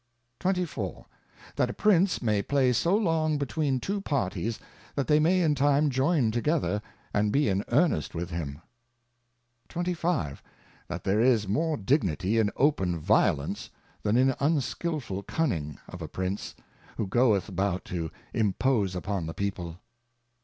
24. That a Prince may play so long between Two Parties, that they may in time join together, and be in earnest with him. 25. That there is more Dignity in open Violence, than in the unskilful Cunning of a Prince, who gpeth about to Impose upon the People.